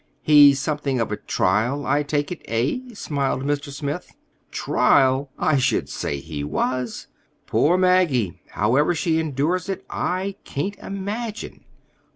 "He's something of a trial, I take it, eh?" smiled Mr. Smith. "Trial! I should say he was. Poor Maggie! How ever she endures it, I can't imagine.